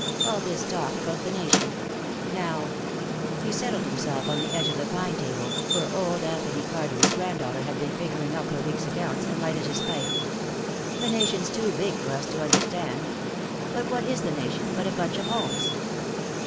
All this talk about the nation, now " He settled himself on the edge of the pine table where old Anthony Cardew's granddaughter had been figuring up her week's accounts, and lighted his pipe, "the nation's too big for us to understand. But what is the nation, but a bunch of homes?"